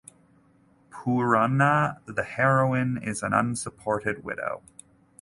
Poorna the heroine is an unsupported widow.